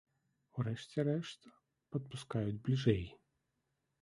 У рэшце рэшт, падпускаюць бліжэй.